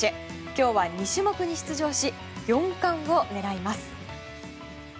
今日は２種目に出場し４冠を狙います。